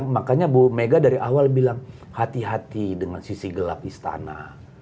makanya bu mega dari awal bilang hati hati dengan sisi gelap istana